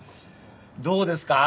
どうですか？